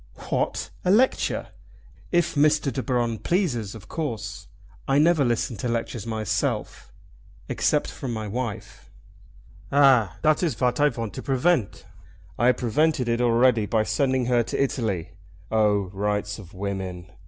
"What! a lecture! If Mr. De Baron pleases, of course. I never listen to lectures myself, except from my wife." "Ah! dat is vat I vant to prevent." "I have prevented it already by sending her to Italy. Oh, rights of women!